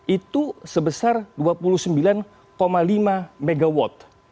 itu sebesar dua puluh sembilan lima mw